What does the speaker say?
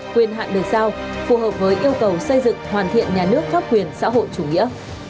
quyền hạn được giao phù hợp với yêu cầu xây dựng hoàn thiện nhà nước pháp quyền xã hội chủ nghĩa